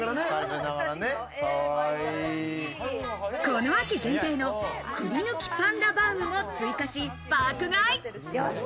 この秋限定の栗ぬきパンダバウムも追加し、爆買い。よし！